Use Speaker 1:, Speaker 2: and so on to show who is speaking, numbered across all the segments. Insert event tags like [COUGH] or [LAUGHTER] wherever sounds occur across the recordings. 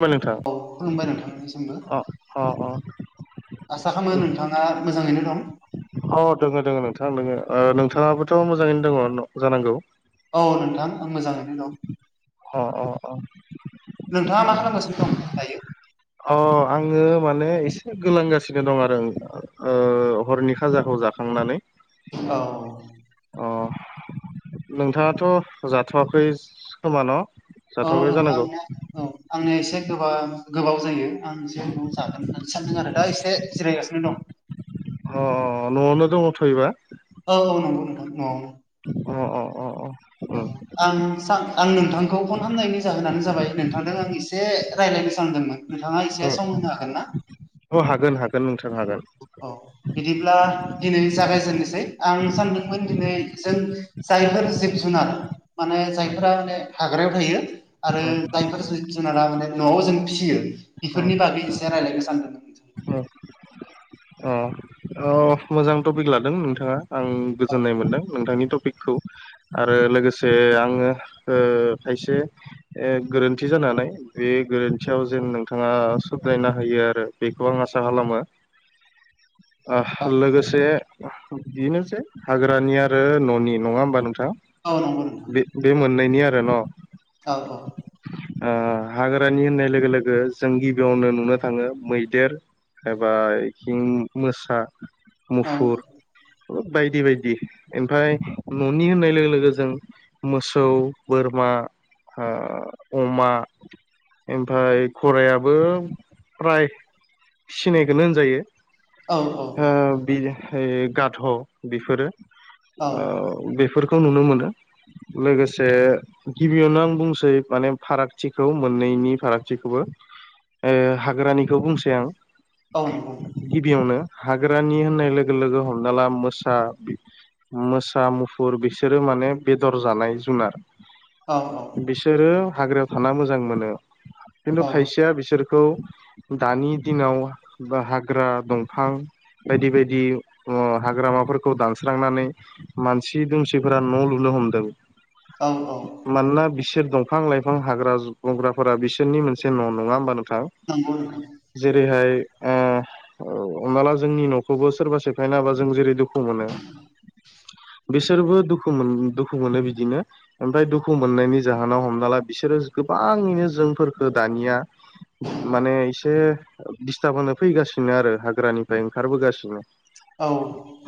Speaker 1: खुलुमबाय
Speaker 2: औ
Speaker 1: नोंथां
Speaker 2: खुलुमबाय नोंथांनिसिमबो
Speaker 1: अ अ अ
Speaker 2: आसा खालामो नोंथां आ मोजाङैनो दं।
Speaker 1: औ दङ दोङ नोंथां दङो ओ नोंथाङाबोथ' मोजाङैनो दङ जानांगौ।
Speaker 2: औ नोंथां आं मोजाङैनो दं।
Speaker 1: अ अ अ।
Speaker 2: नोंथाङा मा खालामगासिनो दं दायो
Speaker 1: अ आङो माने एसे गोलांगासिनो दं आरो ओ हरनि खाजाखौ जा खांनानै।
Speaker 2: औ
Speaker 1: अ नोंथाङाथ' जाथ'वाखै खोमा न'
Speaker 2: अ
Speaker 1: जाथ'वाखै
Speaker 2: औ
Speaker 1: जानांगौ
Speaker 2: आंनिया औ आंनिया एसे गोबां गोबाव जायो आं एसे न'आव जागोन होननानै सानदों आरो दा एसे जिरायगासिनो दं।
Speaker 1: अ अ न'आवनो दङथ'यबा
Speaker 2: औ औ नंगौ नोंथां औ।
Speaker 1: अ अ अ अ।
Speaker 2: औ
Speaker 1: उम
Speaker 2: आं सां आं नोंथांखौ फन खालामामनायनि जाहोनानो जाबाय नोंथांजों आं एसे रायज्लायनो सानदोंमोन। नोंथाङा एसे
Speaker 1: उम
Speaker 2: सम होनो हागोन ना
Speaker 1: अ हागोन हागोन नोंथां हागोन।
Speaker 2: औ बिदिब्ला दिनै जागायजेननोसै आं सानदोंमोन दिनै जों जायफोर जिब जुनार माने
Speaker 1: उम
Speaker 2: जायफोरा माने हाग्रायाव थायो आरो
Speaker 1: उम
Speaker 2: जायफोर जिब जुनारा माने नआव जों फिसियो बेफोरनि बागै एसे रायल्लायनो सानदों
Speaker 1: अ ओ औ मोजां टपिक लादों नोंथाङा आं गोजोननाय मोनदों नोंथांनि टपिक खौ आरो लोगोसे आङो ओ खायसे ओ गोरोन्थि जानो हानाय बे गोरोन्थियाव जेन नोंथाङा सुद्रायना होयो आरो बे खौ आं आसा खालामो ओ लोगोसे बेनोसै हाग्रानि आरो ननि नङा होमबा नोंथाङा
Speaker 2: औ नंगौ नोंथां
Speaker 1: बे बे मोननैनि आरो न
Speaker 2: औ
Speaker 1: ओ हाग्रानि होननाय लोगो लोगो जों गिबियावनो नुनो थाङो मै देर एबा आथिं मोसा मुफुर ओ बायदि बायदि ओमफ्राय ननि होननाय लोगो लोगो जों मोसौ बोरमा ओ अमा ओमफ्राय गरायाबो फ्राय फिसिनायखोनो होनजायो
Speaker 2: औ
Speaker 1: ओ बि गाद बिफोरो
Speaker 2: औ
Speaker 1: ओ बेफोरखौ नुनो मोनो लोगोसे गिबियावनो आं बुंसै माने फारागथिखौ मोननैनि फारागथिखौबो ओ हाग्रानिखौ बुंसै आं
Speaker 2: औ औ नोंगौ
Speaker 1: गिबियावनो हाग्रानि होननाय लोगो लोगो हमना ला मोसा मोसा मुफुर बिसोरो माने बेदर जानाय जुनार
Speaker 2: औ
Speaker 1: बिसोरो हाग्रायाव थाना मोजां मोनो
Speaker 2: औ
Speaker 1: खिन्थु खायसेया बिसोर खौ दानि दिनाव बा हाग्रा दंफां बायदि बायदि उम हाग्रामाफोरखौ दानस्रांनानै मानसि दुमसिफोरा न लुनो हमदों
Speaker 2: औ औ
Speaker 1: मानोना बिसोर दंफां लाइफां हाग्रा बंग्राफोरा बिसोरनि मोनसे न नङा होमबा नोंथां?
Speaker 2: नंगौ नोंथां
Speaker 1: जेरैहाय ओ हमना ला जोंनि न'खौबो सोरबा सेफायना होबा जों जेरै दुख खु मोनो बिसोरबो दुखु मोन दुखु मोनो बिदिनो ओमफ्राय दुखु मोननायनि जाहोनाव हमना ला बिसोरो गोबाङैनो जोंफोरखो दानिया माने एसे दिस्थाब होनो फैगासिनो आरो हाग्रानिफ्राय ओंखारबोगासिनो
Speaker 2: औ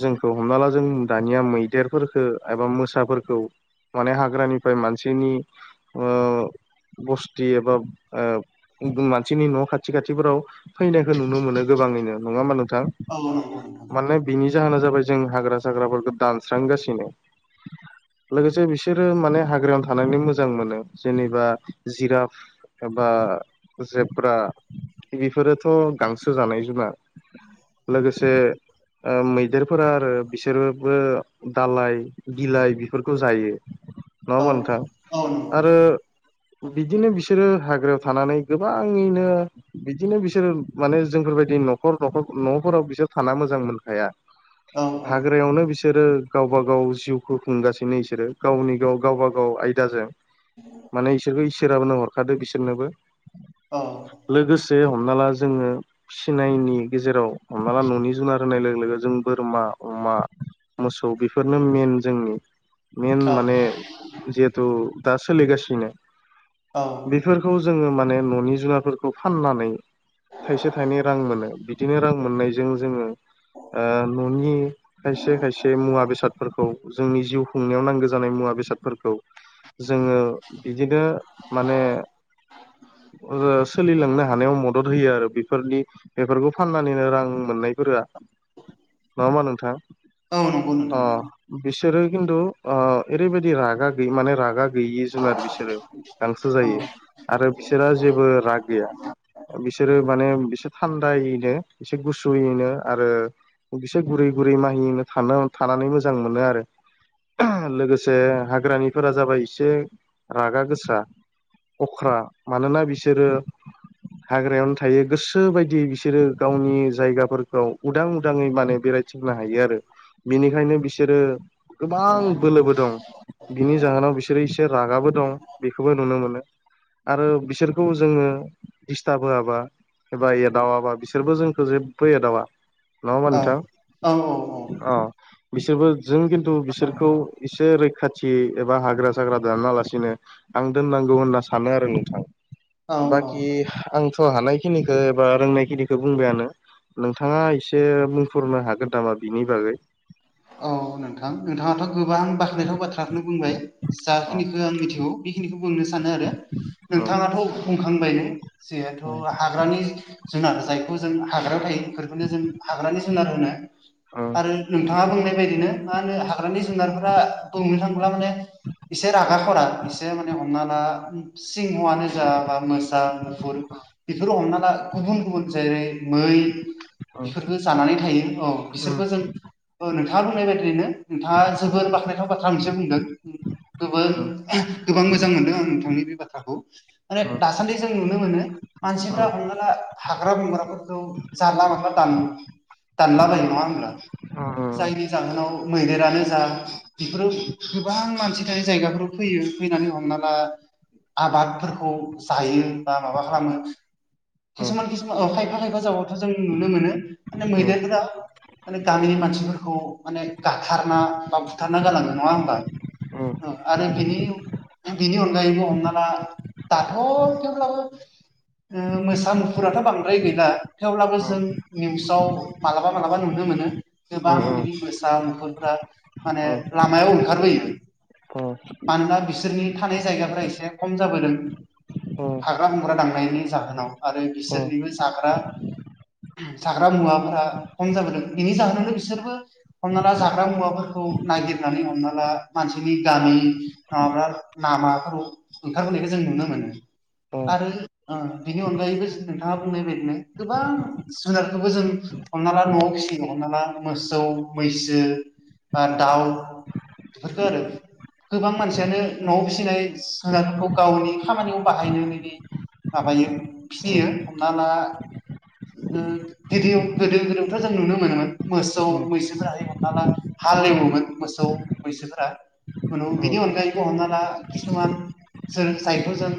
Speaker 1: जोंखौ हमना ला जों दानिया मैदेरफोरखौ एबा मोसाफोरखौ माने हाग्रानिफ्राय मानसिनि ओ बस्ति एबा ओ मानसिनि न खाथि खाथिफोराव फैनायखौ नुनो मोनो गोबाङैनो नङा होमबा नोंथां
Speaker 2: औ नोंथां
Speaker 1: मानोना बिनि जाहोना जाबाय जों हाग्रा साग्राफोरखौ दानस्रांगासिनो लोगोसे बिसोरो माने हाग्रायावनो थानानै मोजां मोनो जेनेबा जिराप एबा जेब्रा बेफोरोथ गांसो जानाय जुनार लोगोसे ओ मैदेरफोरा आरो बिसोरबो दालाइ बिलाइ बेफोरखौ जायो नङा होनबा नोंथां आरो बिदिनो बिसोरो हाग्रायाव थानानै गोबाङैनो बिदिनो बिसोर माने जोंफोरबायदि न'खर नखर न'फोराव बिसोर थाना मोजां मोनखाया। हाग्रायावनो बिसो बिसोरो गावब गाव जिउखौ खुंगासिनो बिसोरो गावनि गाव गावबा गाव आयदाजों। माने इसोरखौ इसोराबो न हरखादो बिसोरनोबो लोगोसे से हमना ला जोङो फिसिनायनि गेजेराव हमना ला न'नि जुनार होनाय लोगो लोगो जों बोरमा अमा मोसौ बेफोरनो मेन जोंनि। मेन माने जिहेथु दा सोलिगासिनो।
Speaker 2: अ
Speaker 1: बेफोरखौ जोङो माने न'नि जुुनारफोरखौ फाननानै। थाइसे थाइनै रां मोनो बिदिनो रां मोननायजों जोङो आ न'नि खायसे खायसे मुवा बेसादफोरखौ जोंनि जिउ खुंनायाव नांगौ जानाय मुवा बेसादफोरखौ। जोङो बिदिनो माने सोलिलांनो थानायाव मदद होयो आरो बेफोरनि बेफोरखौ फाननानैनो रां मोननायफोरा नङा होनबा नोंथां?
Speaker 2: औ नंगौ नोंथां।
Speaker 1: अ बिसोरो खिन्थु ओ ओरैबायदि रागा गैयि माने रागा गैयि जुनार बिसोरो। गांसो
Speaker 2: औ
Speaker 1: जायो आरो बिसोरा जेबो राग गैया। बिसोरो माने बिसोरो थान्दायैनो एसे गुसुयैनो आरो इसे गुरै गुरै माहिनो थानानै मोजां मोनो आरो। लोगोसे हाग्रानिफोरा जाबाय एसे रागा गोसा। अख्रा मानोना बिसोरो हाग्रायावनो थायो। गोसो बायदि बिसोरो गावनि जायगाफोरखौ उदां उदाङै माने बेराय थिंनो हायो आरो। बिनिखायनो बिसोरो गोबां बोलोबो दं। बिनि जाहोनाव बिसोरो एसे रागाबो दं बेखौबो नुनो मोनो। आरो बिसोरखौ जोङो दिस्टार्ब होआबा एबा एदावाबा बिसोरबो जोंखौ जेबो एदावा। नङा होनबा नोंथां औ। बिसोरबो जों खिन्थु बिसोरखौ एसे खाथि एबा हाग्रा जाग्रा दाना लासिनो आं दोननांगौ होनना सानो आरो नोंथां।
Speaker 2: औ औ
Speaker 1: कि आंथ' हानायखिनिखौ एबा रोंनाय खिनिखौ बुंबायानो। नोंथाङा एसे बुंफोरनो हागोन नामा बिनि बागै?
Speaker 2: औ नोंथां। नोंथां नोंथाङाथ' गोबां बाख्नायथाव बाथ्राखौनो बुंबाय
Speaker 1: ओम
Speaker 2: जाखिनिखौ आं मिथिगौ बेखिनिखौ बुंनो सानो आरो।
Speaker 1: ओम
Speaker 2: नोंथाङाथ' बुंखांबायनो जिहेथु
Speaker 1: ओम
Speaker 2: हाग्रानि जुनार जायखौ जों हाग्रायाव थायो बेफोरखौनो जों हाग्रानि जुनार होनो
Speaker 1: ओम
Speaker 2: आरो नोंथाङा बुंनाय बायदिनो मा होनो हा हाग्रनि जुनारफोरा बुंनो थांब्ला माने एसे रागा खरा एसे माने हमना ला सिंहआनो जाबा मोसा मुफुर बेफोरो हमना ला गुबुन-गुबुन जेरै मै
Speaker 1: ओम
Speaker 2: बेफोरबो जानानै थायो औ। बिसोरबो जों ओ नोंथाङा बुंनाय बायदियैनो नोंथाङा जोबोर बाख्नायथाव बाथ्रा मोनसे बुंदों। गोबां
Speaker 1: ओम ओम
Speaker 2: गोबां मोजां मोनदों आं नोंथांनि बे बाथ्राखौ माने
Speaker 1: ओम
Speaker 2: दासान्दि जों नुनो मोनो मानसिफ्रा
Speaker 1: ओम
Speaker 2: हमनाला हाग्रा बंग्राफोरखौ जानला मोला दानो। दानला बायो नङा होनोमब्ला?
Speaker 1: ओम
Speaker 2: जायनि जाहोनाव मैदेरानो जा बेफोराव गोबां मानसि थानाय जायगाफोराव फैयो फैनानै हमना ला आबादफोरखौ जायो बा माबा खालामो
Speaker 1: ओम
Speaker 2: खिसुमान खिसुमान ओ खायफा-खायफा जागायावथ' जों नुनो मोनो माने
Speaker 1: ओम
Speaker 2: मैदेरफोरा माने गामिनि मानसि फोरखौ माने गाथारना बा बुथारना गालाङो नङा होमबा। औ आरो बिनि बिनि अनगायैबो हमना ला दाथ' थेवब्लाबो ओ मोसा मुफुराथ' बांद्राय गैला। थेवब्लाबो जों निउसाव मालाबा-मालाबा नुनो मोनो।
Speaker 1: ओम
Speaker 2: गोबां बिदि मोसा मुफुरफ्रा माने लामायाव ओंखारबोयो।
Speaker 1: ओम ओम
Speaker 2: मानोना बिसोरनि थानाय जायगाफ्रा एसे खम जाबोदों। हाग्रा बंग्रा दांनायनि जाहोनाव आरो बिसोरनिबो जाग्रा जाग्रा मुवाफोरा खम जाबोदों बेनि जाहोनावनो बिसोरबो हमना ला जाग्रा मुवाफोरखौ नागिरनानै हमना ला मानसिनि गामि ओ [UNINTELLIGIBLE] लामाफोराव ओंखारबोनायखौ जों नुनो मोनो आरो ओ बिनि अनगायैबो नोंथाङा बुंनाय बायदिनो गोबां जुनारखौबो जों हमनाला न'आव फिसिगौ हमना ला मोसौ मैसो बा दाउ बेफोरखो आरो गोबां मानसियानो न'आव फिसिनाय जुनारफोरखौ गावनि खामानियाव बाहायनो बिदि माबायो फियो हमना ला ओ गिबियाव गोदो गोदोथ' जों नुनो मोनोमोन। मोसौ मैसोफोराहाय हमना ला हालेवोमोन मोसौ मैसोफोरा उनाव बिनि अनगायैबो हमना ला किसुमान सोलोंसायखो जों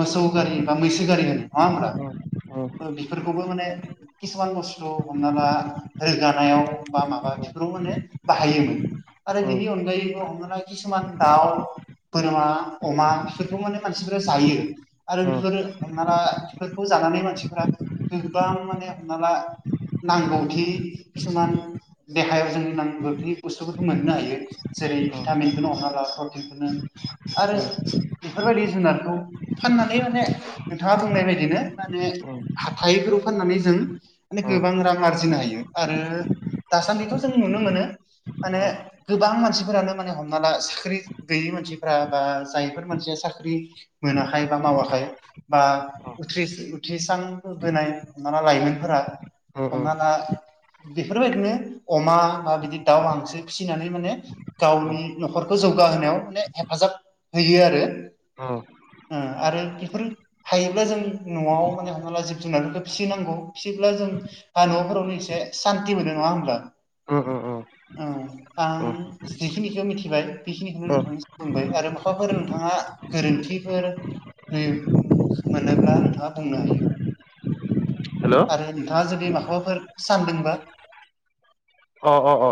Speaker 2: मोसौ गारि बा मैसो गारि होनो नङा होमब्ला बेफोरखौबो माने किसुमान बुस्थु हमना ला जानायाव बा माबा बेफोराव माने बाहायोमोन। आरो बिनि अनगायैबो हमना ला किसुमान दाउ बोरमा अमा बेफोरखौ माने मानसिफोरा जायो। आरो बेफोर हमना ला बेफोरखौ जानानै मानसिफोरा गोबां माने हमना ला नांगौथि किसुमान देहायाव जों नांगौथि बुस्थुफोरखौ मोननो हायो। जेरै भिटामिनखोनो हमना ला प्रटिनखोनो आरो बेफोरबायदि जुनारखौ फाननानै माने नोंथाङा बुंनाय बायदिनो माने हाथाइफोराव फाननानै जों माने गोबां रां आरजिनो हायो। आरो दासान्दिथ' जों नुनो मोनो माने गोबां मानसिफोरानो माने हमना ला साख्रि गैयि मानसिफोरा बा जायफोर मानसिया साख्रि मोनाखै बा मावाखै बा उथ्रि-उथ्रिस्रांबोनाय हमना ला लाइमोनफोरा हमना ला बेफोरबायदिनो अमा बा बिदि दाउ हांसो फिनानै माने गावनि न'खरखौ जौगाहोनायाव माने हेफाजाब होयो आरो।
Speaker 1: औ।
Speaker 2: ओ आरो बेफोर हायोब्ला जों न'आव माने हमनाला जिब जुनारफोरखौ फिनांगौ फियोब्ला जों बा न'फोरावनो एसे सान्ति मोनो नङा होमबा औ
Speaker 1: ओम
Speaker 2: आं जिखिनिखौ मिथिबाय बेखिनिखौनो
Speaker 1: ओम
Speaker 2: नोंथांनिसिम बुंबाय आरो माबाफोर नोंथाङा गोरोन्थिफोर नै मोनोब्ला नोंथाङा बुंनो हायो।
Speaker 1: हेल'
Speaker 2: आरो नोंथाङा जुदि माखौबाफोर सानदोंबा
Speaker 1: अ अ अ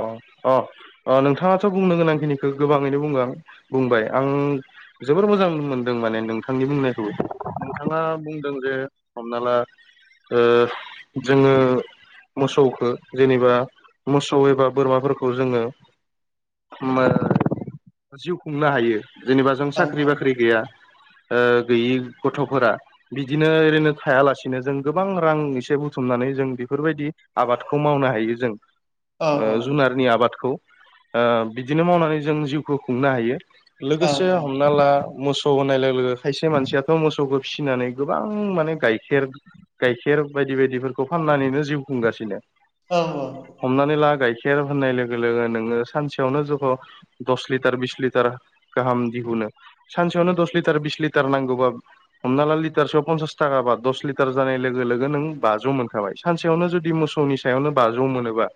Speaker 1: अ अ। अ नोंथाङाथ' बुंनो गोनांखिनिखौ गोबाङैनो बुं आं बुंबाय आं जोबोर मोजां मोनदों माने नोंथांनि बुंनायखौ। नोंथाङा बुंदों जे हमना ला ओ जोङो मोसौखो जेनेबा मोसौ एबा बोरमाफोरखौ जोङो जिउ खुंनो हायो जेनेबा जों
Speaker 2: औ
Speaker 1: साख्रि
Speaker 2: औ
Speaker 1: बाख्रि गैया। ओ गैयि गथ'फोरा बिदिनो ओरैनो थायालासिनो जों गोबां रां एसे बुथुमनानै जों बेफोरबायदि आबादखौ मावनो हायो जों
Speaker 2: औ औ
Speaker 1: जुनारनि आबादखौ बिदिनो मावनानै जों जिउखौ खुंनो हायो
Speaker 2: औ
Speaker 1: लोगोसे हमना ला मोसौ मोसौ होनाय लोगो लोगो खायसे मानसियाथ' मोसौखौ फिसिनानै गोबां माने गाइखेर गाइखेर बायदि बायदिफोरखौ फाननानैनो जिउ खुंगासिनो
Speaker 2: औ औ
Speaker 1: हमनानै ला गाइखेर होननाय लोगो लोगो नोङो सानसेयावनो जखौ' दस लिटार बिस लिटार गाहाम दिहुनो सानसेयावनो दस लिटार बिस लिटार नांगौबा हमना ला लिटारसोआव पन्सास थाखााबा दस लिटार जानाय लोगो लोगो नों बाज' मोनखाबाय सानसेयावनो जुदि मोसौनि सायावनो बाजौ मोनोबा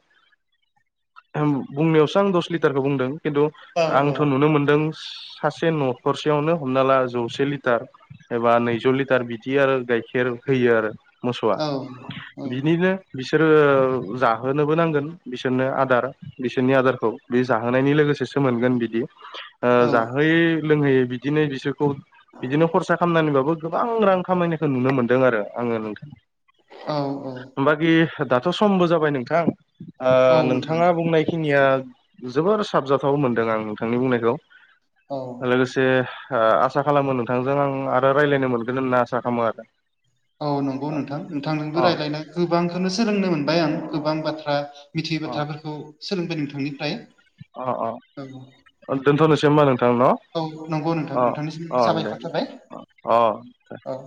Speaker 1: बुंनायावसो आं दस लिटारखौ बुंदों खिन्थु
Speaker 2: औ
Speaker 1: आंथ' नुनो मोनदों सासे न'खरसेयावनो हमना ला जौसे लिटार एबा नैजौ लिटार बिदि आरो गाइखेर होयो आरो मोसौआ बिनिनो बिसोरो जाहोनो बबो नांगोन बिसोरनो आदार बिसोरनि आदारखौ बे जाहोनायनि लोगोसेसो मोनगोन बिदि
Speaker 2: औ
Speaker 1: जाहोयै लोंहोयै बिदिनो बिसोरखौ बिदिनो खरसा खालामनानैबाबो गोबां रां खामायनायखौ नुनो मोन्दों आरो आङो नोंथां
Speaker 2: औ औ
Speaker 1: बाखि दाथ' समबो जाबाय नोंथां
Speaker 2: औ नोंथां
Speaker 1: नोंथाङा बुंनाय खिनिया जोबोर साबजाथाव मोनदों आं नोंथांनि बुंनायखौ
Speaker 2: औ
Speaker 1: लोगोसे एसे आसा खालामो नोंथांजों आं आरो रायज्लायनो मोनगोन होनना आसा खालामो आरो
Speaker 2: औ नंगौ नोंथां नोंथांजोंबो
Speaker 1: अ
Speaker 2: रायजलायनाय गोबांखौनो सोलोंनो मोनबाय आं गोबां बाथ्रा मिथियै बाथ्राफोरखौ सोलोंबाय नोंथांनिफ्राय
Speaker 1: अ
Speaker 2: औ
Speaker 1: अ दोनथ'नोसै हबा नोंथां न'
Speaker 2: औ नंगौ नोंथां
Speaker 1: अ
Speaker 2: नोंथांनिसिम
Speaker 1: अ दे
Speaker 2: साबायखर
Speaker 1: दे
Speaker 2: थारबाय
Speaker 1: अ अ।
Speaker 2: औ